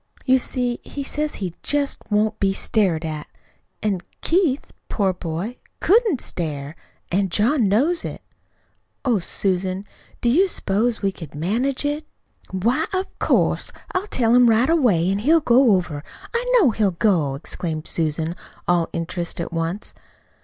You see he says he just won't be stared at; an' Keith, poor boy, COULDN'T stare, an' John knows it. Oh, Susan, do you suppose we could manage it?" "Why, of course. I'll tell him right away, an' he'll go over; I know he'll go!" exclaimed Susan, all interest at once.